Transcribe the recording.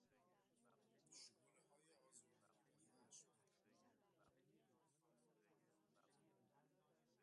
شعلههای آزردگی و خشم